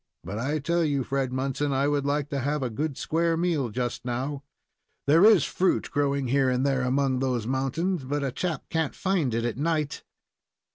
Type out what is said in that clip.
But I tell you, Fred Munson, I would like to have a good square meal just now. There is fruit growing here and there among those mountains, but a chap can't find it at night.